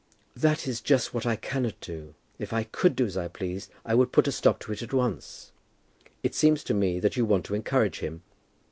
"That is just what I cannot do. If I could do as I pleased, I would put a stop to it at once." "It seems to me that you want to encourage him.